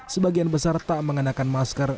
sebagian besar tak mengenakan masker